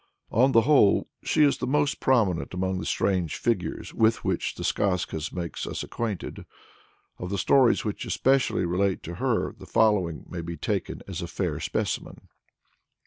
On the whole she is the most prominent among the strange figures with which the Skazkas make us acquainted. Of the stories which especially relate to her the following may be taken as a fair specimen.